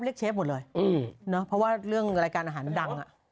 เรียกเชฟหมดเลยอืมเนอะเพราะว่าเรื่องรายการอาหารดังอ่ะ